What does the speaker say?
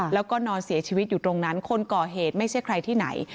แล้วก็นอนเสียชีวิตอยู่ตรงนั้นคนก่อเหตุไม่ใช่ใครที่ไหน